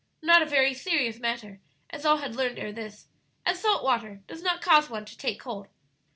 Not a very serious matter, as all had learned ere this, as salt water does not cause one to take cold.